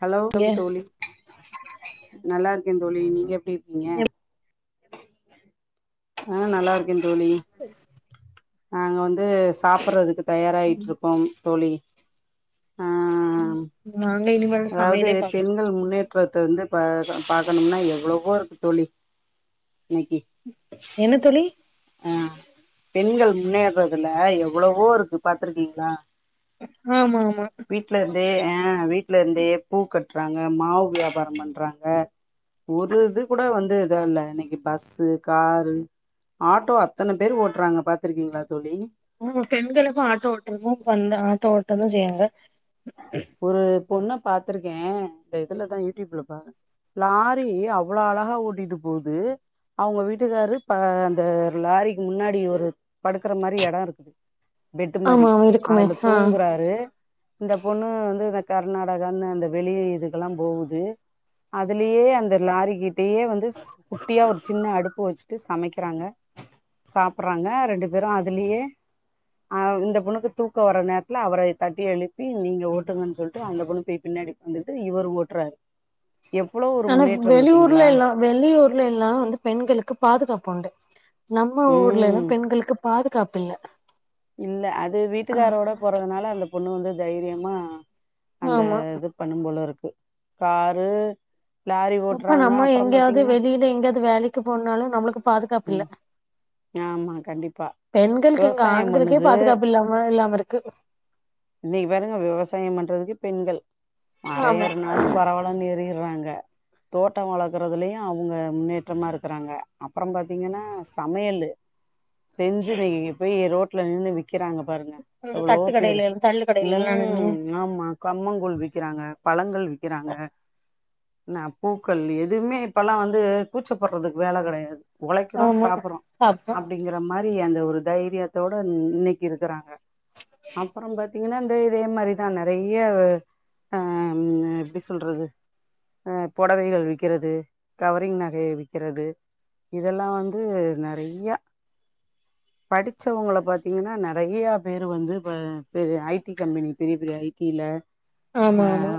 hello கம் நீங்க தோழி நல்லாருக்கே தோழி நீங்க எப்டி இருக்கீங்க அ நல்லாருக்கே தோழி செரி நாங்க வந்து சாப்பட்றதுக்கு தயாராயிட்ருக்கோம் தோழி ஆ ம் நாங்க இனிமேல் சமையலே பாகணு கதவ துறந்து பாக்க பாக்கணும்னா எவ்வளவோ இருக்கு தோழி இன்னிக்கி என்ன தோழி ஹ பெண்கள் முன்னேறதுல எவ்ளவோ இருக்கு பாத்துருக்கீங்களா ஆமா ஆமா வீட்ல இருந்தே ஹ வீட்டு்ல இருந்தே பூ கட்டுறாங்க மாவு வியாபார பண்றாங்க ஒரு இது கூட வந்து இதா இல்ல அன்னிக்கி பஸ்சு காரு ஆட்டோ அத்தன பேர் ஓட்றாங்க பாத்துருக்கீங்களா தோழி ம் பெண்களுக்கு ஆட்டோ ஓட்டுறது பண் ஆட்டோ ஓட்டறதா செய்யாங்க ஒரு பொண்ண பாத்துருக்க இந்த இதுலதா யூடியூப்ல பாரு லாரி அவ்ளோ அழகா ஓட்டிட்டு போது அவங்க வீட்டுக்காரு ப அந்த லாரிக்கு முன்னாடி ஒரு படுக்கற மாதிரி எட இருக்குது பெட்டு் ஆமா மாதிரி ஆமா இருக்குமே அதுல ஆ தூங்குறாரு இந்த பொண்ணு வந்து இந்த கர்நாடகான்னு அந்த வெளி இதுக்கெலா போகுது அதுலயே அந்த லாரிகிட்டயே வந்து சி குட்டியா ஒரு சின்ன அடுப்பு வச்சு விட்டு சமைக்கிறாங்க சாப்டறாங்க ரெண்டு பேரு அதுலயே அ இந்த பொண்ணுக்கு தூக்க வர நேரத்துல அவர தட்டி எழுப்பி நீங்க ஓட்டுங்கன்னு சொல்லிட்டு அந்த பொண்ணு பேய் பின்னாடி உக்காந்துகிட்டு இவரு ஓட்டுறாரு எவ்ளோ ஒரு ஆனா முன்னேற்ற வெளியூர்ல பாத்தீங்களா எல்லா வெளியூர்ல எல்லா வந்து பெண்களுக்கு பாதுகாப்பு உண்டு நம்ம ஊர்ல எல்லா ம் பெண்களுக்கு பாதுகாப்பு இல்ல இல்ல அது வீட்டுக்காரோட போறதுனால அந்த பொண்ணு வந்து தைரியமா அந்த ஆமா இது பண்ணும் போல இருக்கு காரு லாரி இப்ப ஓட்டுறாங்க நம்ம அப்புறம் எங்கேயாவது பாத்தீங்கன்னா வெளியில எங்காயச்சு வேலக்கு போனாலு நம்மளுக்கு பாதுகாப்பு இல்ல ம் ஆமா கண்டிப்பா பெண்களுக்கு எங்க விவசாயம் ஆண்களுக்கே பண்ணுது பாதுகாப்பு இல்லாம இல்லாம இருக்கு இன்னிக்கு பாருங்க விவசாய பண்றதுக்கு பெண்கள் மரம் ஆமா ஏருனாலு பரவால கன்னு எறிறாங்க தோட்ட வளர்க்குதலுயு அவுங்க முன்னேற்றமாக இருக்கிறாங்க அப்பர பார்த்திங்கன்னா சமயலு செஞ்சு வெய் போய் ரோட்ல நின்னு விக்கிறாங்க பாருங்க இந்த எவ்ளோ தட்டு பேரு கடையில தள்ளு கடையில எல்லா நின்னு ம் ஆமா கம்மங்கூழ் விக்கிறாங்க பழங்கள் விக்கிறாங்க நா பூக்கள் எதுவுமே இப்பல்லா வந்து கூச்சப்படுறதுக்கு வெல கடயாது ஒலைக்கிறோ ஆமா சாப்புறோ சாப்ட்டோ அப்டிங்கிற மாரி அந்த ஒரு தைரியத்தோட இன்னிக்கி இருக்குறாங்க அப்பர பார்த்தீங்கன்னா இந்த இதே மாரிதா நெறைய ஹா எப்டி சொல்றது அ பொடவைகள் விக்கிறது கவரிங் நகயை விக்ககுறது இதல்லா வந்து நெறைய்யா படிச்சவங்கள பாத்தீங்கன்னா நெறைய பேரு வந்து இப்ப பெ ஐடி கம்பெனி பெரிய பெரிய ஐடில ஆ ஆமா ஆமா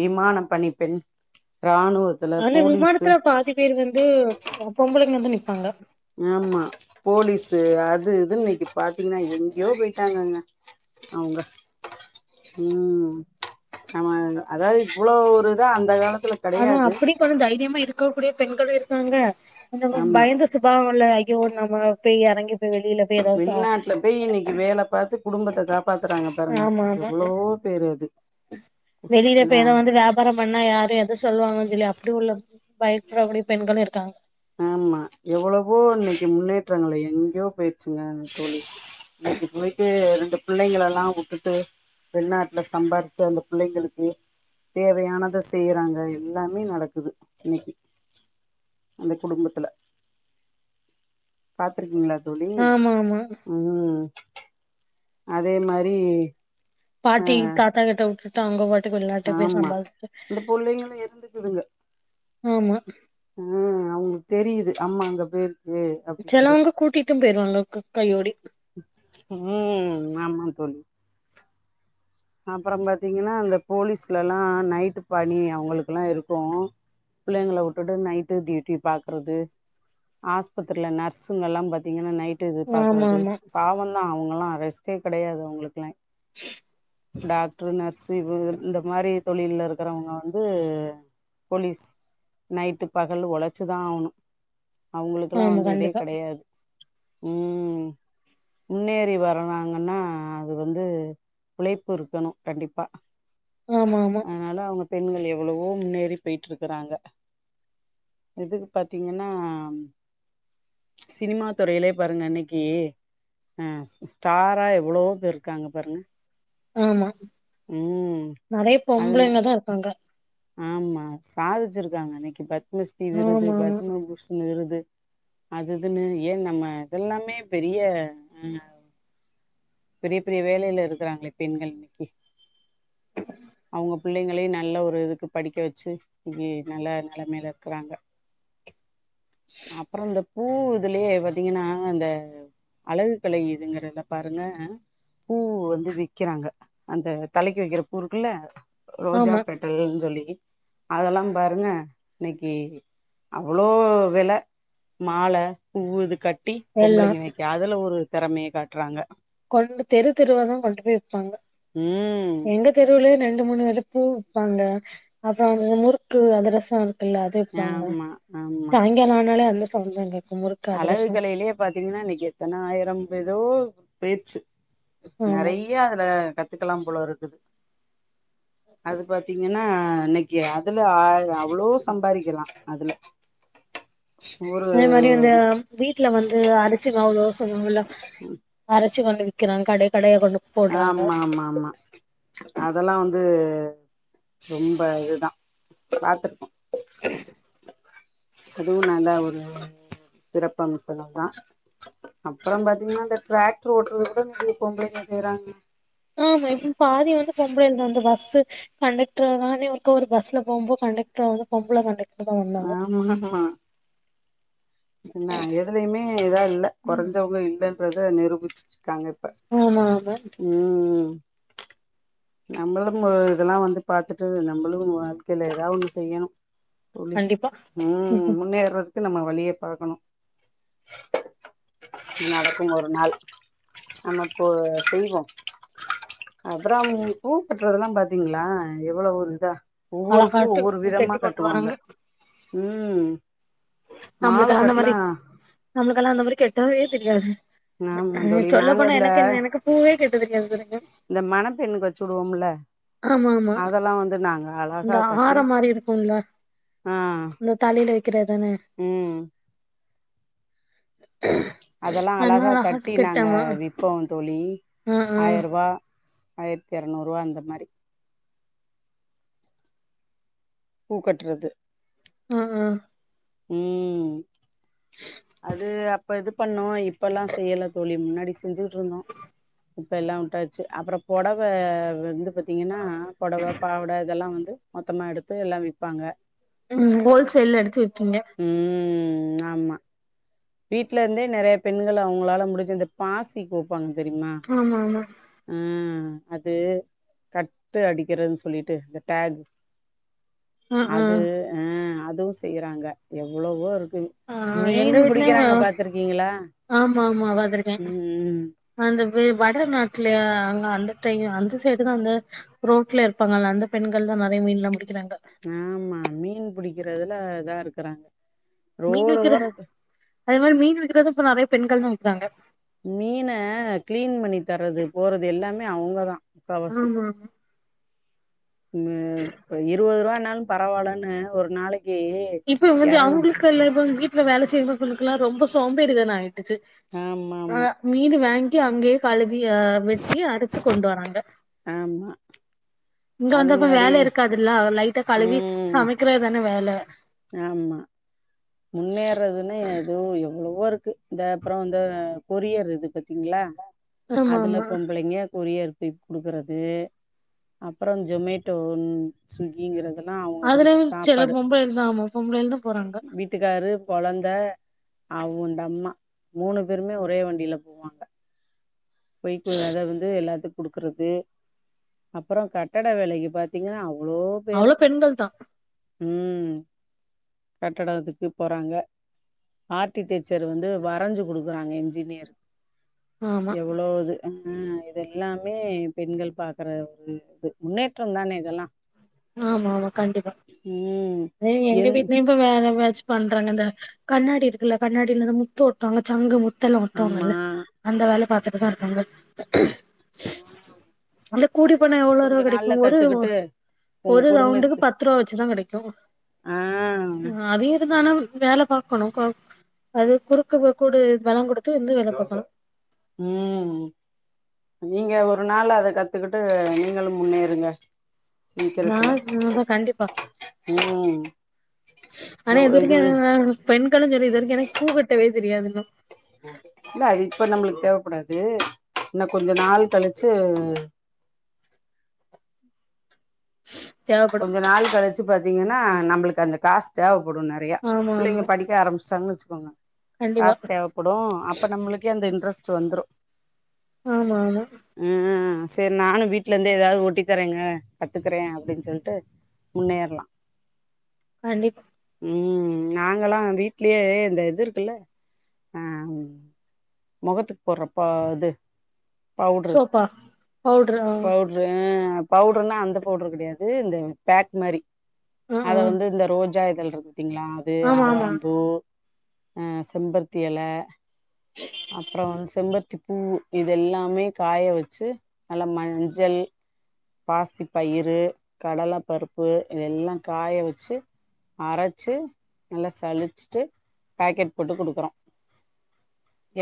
விமான பண்ணி பெண் ராணுவ ஆனா விமானத்துல பாதி பேர் வந்து பொம்பளங்க வந்து நிப்பாங்க ஆமா போலீஸு அது இதுன்னு இன்னிக்கு பாத்தீங்கன்னா எங்கயோ போயிட்டாங்கங்க அவுங்க ம் நம்ம அதாவது இவ்ளோ ஒரு இதா அந்த காலத்துல ஆனா கெடையாது அப்டி கொஞ்ச தைரியமா இருக்க கூடிய பெண்களு இருக்காங்க கொஞ்ச பயந்து ஆமா பயந்து சுபாவ உள்ள அய்யோ நம்ம போய் இறங்கி வெளிநாட்டுல போய் இன்னைக்கி வேலப் பாத்து குடும்பத்த காப்பாத்துறாங்க பாருங்க ஆமா ஆமா எவ்ளோ பேரு அது என்ன அப்பறம்பன்னா யாரு எது சொல்லுவாங்கன்னு சொல்லி அப்டி உள்ள பயப்பறபடி பெண்களு இருக்காங்க ஆமா எவ்வளவோ இன்னைக்கி முன்னேற்றங்கள் எங்கயோ பேய் சுங்க தொலி இன்னைக்கி போய்ட்டு ரெண்டு பிள்ளைங்கள எல்லா வுட்டுட்டு வெளிநாட்டுல சம்பாதிச்சு அந்த பிள்ளைங்களுக்கு தேவையானத செய்றாங்க எல்லாமே நடக்குது இன்னைக் அந்த குடும்பத்துல பாத்துருக்கீங்களா தோழி ஆமா ஆமா ம் அதே மாரி அ பாட்டி தாத்தா கிட்ட உடு அவுங்க பாட்டுக்கு வெளிநாட்ல போய் ஆமா சம்பாதிச்சு இந்த புள்ளைங்களு ஆமா ம் அவங்களுக்கு தெரியுது அம்மா அங்க பேயிருக்கு ச்செலவ்ங்க கூட்டிட்டு பேய்றுவாங்க கையோடி ம் ஆமா தோழி அப்பறோ பாத்தீங்கன்னா அந்த போலீஸ்லல்லா நைட்டு பணி அவுங்களுக்குல்லா இருக்கு பிள்ளைங்கள வுட்டுட்டு நைட்டு டியூட்டி பாக்குறது ஆஸ்பத்திரியில நர்ஸுங்க எல்லா பாத்தீங்கனா நைட் டூட்இது ஆமா பாக்குறது ஆமா பாவம்தா அவங்கல்லா ரெஸ்டே கெடையாது அவங்களுக்குல்லா [inaudible] டாக்ட்ரு நர்ஸ்சு இவு இந்த மாரி தொழில்ல இருக்கிறவங்க வந்து போலீஸ் நைட்டு பகல் உழச்சுதா ஆவணு அவங்களுக்கெல்லா ஆமா வந்து இதே கண்டிப்பா கிடையாது ம் முன்னேறி வரனாங்கன்னா அது வந்து உழைப் பிருக்கனு கண்டிப்பா ஆமா ஆமா அனால அவ்ங்க பெண்கள் எவ்வளவோ முன்னேறி பேயிட்டு இருக்கிறாங்க எதுக்கு பாத்தீங்கன்னா சினிமா துறையிலே பாருங்க அன்னைக்கி ஆ ஸ்டாரா எவ்ளவோ பேரு இருக்காங்க பாருங்க ஆமா ம் நிறைய அதுன பொம்பளைங்க தா இருக்காங்க ஆமா சாதிச்சிருக்காங்க அன்னைக்கி பத்மஸ்ரீ விருது ஆமா ஆமா பத்மபூஷண் விருது அதுதுன்னு ஏ நம்ம அதெல்லாமே பெரிய அ பெரிய பெரிய வேலையில இருக்கிறாங்களே பெண்கள் இன்னைக்கி அவுங்க பிள்ளைங்களையு நல்ல ஒரு இதுக் படிக்க வச்சு இங்கயே நல்ல நெலைமையில இருக்கிறாங்க அப்புறோ இந்த பூ இதுலயே பாத்தீங்கன்னா அந்த அழகு கலை இதுங்கறத பாருங்க அ பூ வந்து விக்கிறாங்க அந்த தலைக்கு வைக்கிற பூ இருக்குல்ல ரோஜா ஆமா பெட்டல்ன்னு சொல்லி அதெல்லா பாருங்க இன்னைக்கி அவ்ளோ வெல மால பூ இது கட்டி எல்லா பொம்பளைங்க இன்னைக்கி அதுல ஒரு திறமைய காட்டுறாங்க கொண்டு தெரு தெருவாதா கொண்டு போய் விப்பாங்க ம் எங்க தெருவுலயு ரெண்டு மூணு வேரு பூ விப்பாங்க அப்புறோ அந்த முறுக்கு அதுரசோ இருக்குல்ல அது விப்பாங்க ஆமா ஆமா சாய்ங்கலோ ஆனாலே அந்த சவுண்ட்தா கேக் அழகு கலையிலேயே பாத்தீங்கன்னா இன்னைக்கு எத்தனாய்யிரம் ஏதோ போய்ச்சு ஆமா நெறைய அத கத்துக்கலாம் போல இருக்கு அது பாத்தீங்கன்னா ஆ இன்னைக்கு அதுல அவ்ளோ சம்பாரிக்கலாம் அதுல ஒரு அ வீட்ல வந்து அரிசி மாவு தோசை மாவு சொல்லுவாங்கள [unintelligible] அரைச்சு கொண்டு விக்கிறாங் கடை கடையா கொண்டு போட்றாங்க ஆமா ஆமா ஆமா அதெல்லாம் வந்து ரொம்ப இதுதான் பாத்திருப்போம் அதுவும் நான்தா ஒரு சிறப்பு அம்சம் தா பா அப்புறம் பாத்தீங்கன்னா இந்த டிராக்டர் ஓட்டுறதுகூட நெறய பொம்பளைங்க செய்றாங்க ம் இப்ப பாதி வந்து பொம்பளைங்க தாக்கா அந்த பஸ்சு கண்டக்டர் தான ஒருக்க ஒரு பஸ்ல போகும்போ கண்டக்டர் வந்து பொம்புள கண்டக்டர் தா ஆ வந்தாங்க உள்ள போலாம் என்ன எதுலயுமே இதா இல்ல குறைஞ்சவங்க இல்லைன்றத நிரூபிச்சிருக்காங்க இப்ப [unintelligible] உம் உம் நம்மளும் இதெல்லாம் வந்து பாத்துட்டு நம்மளும் வாழ்கையில ஏதா ஒண்ணு செய்யணும் தோழி கண்டிப்பா உம் ம்ஹும் முன்னேறதுக்கு நம்ம வழிய பாக்கணும் [inaudible] நடக்கும் ஒரு நாள் நம்மப்போ செய்வோ அப்புறம் பூப்பற்றதெல்லாம் பாத்தீங்களா எவ்வளவு ஒர் இதா ஒவ்வொரு பூ அழகாட்டு ஒவ்வொரு விதமா கெட்டி கொண்டு கட்டுவாங்க வராங்க உம் அவுங்களுக்கு தகுந்த மாதிரி நம்மளுக்கெல்லாம் அந்த மாதிரி கெட்டவே தெரியாது ஆமா அ தோழி சொல்ல நாங்க போனா இந்த எனக்கு என்ன எனக்கு பூவே கெட்ட தெரியாது சொல்லுங்க இந்த மண பெண்ணுக்கு வச்சு விடுவோம்ல ஆமா ஆமா அதெல்லா வந்து நாங்க அந்த அழகா கட்டி ஹாரம் மாறி இருக்கும்ல ஆ இந்த தலையில வைக்கிற தானே உம் [inaudible] அதெல்லாம் அதெல்லா அழகா கட்டி நாங்க கெட்டமா விற்ப்போம் தோழி ஆ ஆ ஆயிரம் ரூபா ஆயிரத்தி எரெநூருவா இந்த மாதிரி பூக்கட்டுறது உம் உம் உம் அது அப் அப்ப இது பண்ணோமா இப்ப எல்லாம் செய்யல தோழி முன்னாடி செஞ்சுட்டு இருந்தோம் இப்ப எல்லாம் விட்டாச்சு அப்புறம் புடவை வந்து ஏன்னா புடவை பாவடை இதெல்லாம் வந்து மொத்தமா எடுத்து எல்லாம் விப்பாங்க உம் ஹோல்சேல்ல எடுத்து விக்கீங்க ம் ஆமா வீட்ல இருந்தே நெறைய பெண்கள் அவங்களால முடிஞ்சு அந்த பாசிக் கோப்பாங்க தெரியுமா ஆமா ஆமா உம்ம் அது கட்டு அடிக்கிறதுன்னு சொல்லிட்டு இந்த டஹ் ஆ ஆ அது அ அதுவும் செய்றாங்க எவ்வளவோ இருக்கு ஆ எங்க மீன் வீட்லயு பிடிக்கிறாங்க பாத்துருக்கீங்களா ஆமா ஆமா பாத்திருக்கே உம் ம் அந்த வே வட நாட்டுலயா அங்க அந்த டை அந்த சைடு தா அந்த ரோட்ல இருப்பாங்கல்ல அந்த பெண்கள்தா நெறைய மீன்லா புடிக்கிறாங்க ஆமா மீன் புடிக்கறதுல இதா இருக்கறாங்க மீன் ரோடு விக்கிற ஓரத்து அதே மாரி மீன் விக்றது இப்ப நெறைய பெண்கள் தா விக்கிறாங்க மீன க்ளீன் பண்ணி தரது போறது எல்லாமே அவங்கதா முக்காவாசி ஆமா ம் இருவாது ரூவானாலு பரவாலன்னு ஒரு நாளைக்கு இப்ப வந்து எரநூ அவங்களுக்குல்லா இப்பங்க வீட்ல வேல செய்றவங்களுக்கெல்லா ரொம்ப சோம்பேறிதான ட்டுச்சு ஆமா ஆமா ஆ மீனு வாங்கி அங்கயே கழுவி அ வெட்டி அருத்து கொண்டு வராங்க ஆமா அது மாரி அதுல்லா லைட்டா கழுவி ம் சமைக்குறதுதான வேல ஆமா முன்னேறதுன்னா எதோ ம் எவ்வளவோ இருக்கு இந்த அப்பற இந்த கொரியர் இது பாத்தீங்களா ஆமா அதுல ஆமா பொம்பளைங்க கொரியர் போய் குடுக்கறது அப்பறோ ஜொமேட்டோ ஸ்விக்கிங்கறதுல்லா அவங்க கொண்டு அதுலயு போய் சில சாப்பாடு பொம்பளைகள் ஆமா பொம்பளையாள்தா போறாங்க வீட்டுக்காரு கொழந்த அவுண்டம்மா மூணு பேருமே ஒரே வண்டியில போவாங்க போய்க்கு அத வந்து எல்லாத்துக் குடுக்குறது அப்பற கட்டட வேலைக்கு பாத்தீங்கன்னா அவ்வளோ அவ்ளோ பெண்கள் தா ம் கட்டட இதுக்கு போறாங்க ஆர்க்டிடெக்சர் வந்து வரைஞ்சு குடுக்குறாங்க என்ஜினியர் ஆமா எவ்ளோது ஆ இது எல்லாமே பெண்கள் பாக்கற ஒரு இது முன்னேற்றந்தானே இதெல்லா ஆமா ஆமா கண்டிப்பா ம் எ எங்க என் வீட்லயு இப்ப வேறவச்சு பண்றாங்க இந்த கண்ணாடி இருக்குல்ல கண்ணாடில இந்த முத்து ஓட்டவாங்க சங்கு முத் துல்லா ஆமா ஒட்டுவாங்கல்ல அந்த வேல பாத்துட்டுதா இருக்காங்க அந்த கூடி பண்ண எவ்ளோ கொஞ்ச ரூவா கெடைக்கு நாள்ல ஒரு கத்துக்கிட்டு உங்க ஒரு ரவுண்டுக்கு குடும்பத்து பத்து ரூபா வச்சுதா கெடைக்கு ஆ ம் அது இருந்தானா வேல பாக்கணுக்கா அது குறுக்க கோடு வெல குடுக்க ம் நீங்க ஒரு நாள் அத கத்துக்கிட்டு நீங்களு முன்னேறுங்க நா சீக்கிரத்துல நாதா கண்டிப்பா ம் ஆனா இது வரைக்கு என்னனா பெண்களு செரி இது வரைக்கு எனக்கு பூக்கட்டவே தெரியாது இன்னு இல்ல அது இப்ப நம்மளுக்கு தேவப்படாது இன்னு கொஞ்ச நாள் கழிச்சு [inaudible] கொஞ்ச நாள் கழிச்சு பாத்தீங்கன்னா நம்மளுக்கு அந்த காசு தேவப்படுனார் நெறையா ஆமா புள்ளைங்க ஆமா படிக்க ஆரம்பிச்சாங்கன்னு வச்சுக்கோங்க கண்டிப்பா காசு தேவ படு அப்ப நம்மளுக்கே அந்த இன்ட்ரெஸ்ட் வந்துரு ஆமா ஆமா ம் சரி நானு வீட்ல இருந்தே ஏதாவது ஓட்டித்தறேங்க கத்துக்குறே அப்படின் சொல் ட்டு முன்னேறலா கண்டிப் ம் நாங்கலா வீட்லயே இந்த இது இருக்குல ஆ மொகத்துக்கு போட்ற பா அது பவுட்ரு சோப்பா பவுட்ரு ஆ பவுட்ரு ஆ பவுடருனா அந்த பவுடர் கெடையாது இது இந்த பேக் மாரி ஆ அத ஆ வந்து இந்த ரோஜா இதழ்கள்ருக்கு பத்தீங்களா இது ஆமா ஆமா ஆவாரம்பூ ஆ செம்பருத்தி எல அப்றோ செம்பருத்திப் பூ இதெல்லாமே காய வெச்சு நல்லா மஞ்சள் பாசி பயிறு கடலப்பருப்பு இதெல்லா காய வெச்சு அரச்சு நல்லா சளிச்சிட்டு பேக்கெட் போட்டு குடுக்குறோ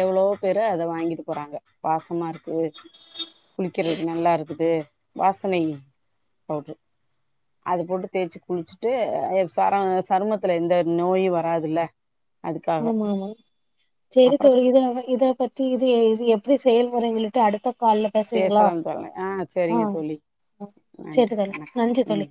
எவ்ளோ பேரு அத வாங்கிட்டு போறாங்க வாசமா இரு க்கு குளிக்கிறதுக் நல்லா இருக்குது வாசனை பவுட்ரு அது போட்டு தேய்ச்சு குளிச்சுட்டு அ சர சரமத்துல எந்த ஒரு நோயு வராதுல்ல அதுக்காக ஆமா ஆமா செரி அப்புறோ தோழி இத இத பத் தி இது இது எப்டி செயல்வறங்களுக்கு அடுத்த கால்ல பேசுவீங்க்ளா பேசலாம் தோழி ஆ சரிங்க ஆ தோழி செரி நன்றி தோழி வணக்கம் நன்றி ம் தோழி